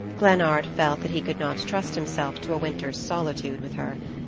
Glennard felt that he could not trust himself to a winter's solitude with her.